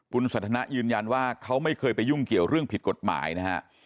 คุณสันทนายืนยันว่าเขาไม่เคยไปยุ่งเกี่ยวเรื่องผิดกฎหมายนะฮะ